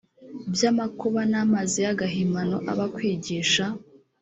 by amakuba n amazi y agahimano abakwigisha